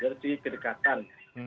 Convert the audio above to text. dari segi kedekatan